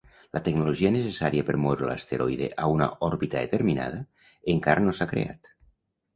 La tecnologia necessària per moure l'asteroide a una òrbita determinada encara no s'ha creat.